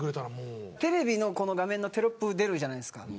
テレビの画面のテロップ出るじゃないですか。